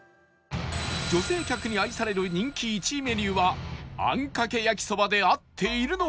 女性客に愛される人気１位メニューはあんかけ焼きそばで合っているのか？